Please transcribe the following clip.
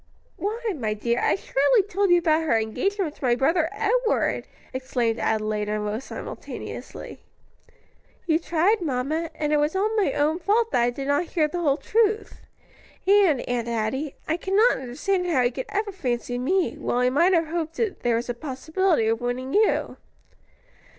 "Why, my dear, I surely told you about her engagement to my brother Edward?" exclaimed Adelaide and Rose simultaneously. "You tried, mamma, and it was all my own fault that I did not hear the whole truth. And, Aunt Adie, I cannot understand how he could ever fancy me, while he might have hoped there was a possibility of winning you."